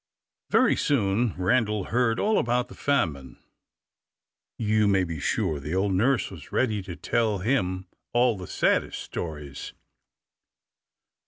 Very soon Randal heard all about the famine; you may be sure the old nurse was ready to tell him all the saddest stories.